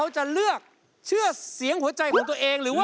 เชื่อเสียงหัวใจของตัวเองหรือว่า